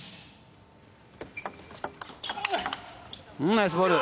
ナイスボール！